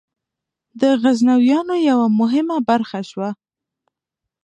د غزنویانو یوه مهمه برخه شوه.